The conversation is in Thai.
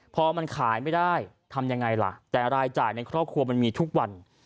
พอมันขายไม่ได้ทำยังไงล่ะแต่รายจ่ายในครอบครัวมันมีทุกวัน